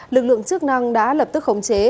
lực lượng chức năng đã lập tức khống chế